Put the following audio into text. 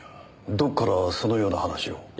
どこからそのような話を。